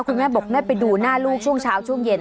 คุณแม่บอกแม่ไปดูหน้าลูกช่วงเช้าช่วงเย็น